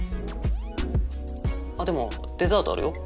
あっでもデザートあるよ。